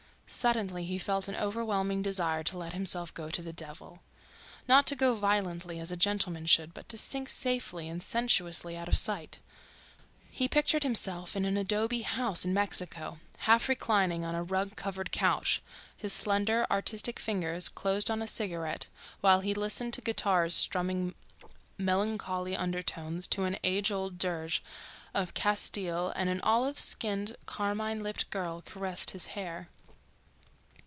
Suddenly he felt an overwhelming desire to let himself go to the devil—not to go violently as a gentleman should, but to sink safely and sensuously out of sight. He pictured himself in an adobe house in Mexico, half reclining on a rug covered couch, his slender, artistic fingers closed on a cigarette while he listened to guitars strumming melancholy undertones to an age old dirge of Castile and an olive skinned, carmine lipped girl caressed his hair.